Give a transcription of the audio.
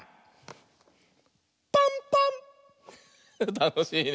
たのしいね。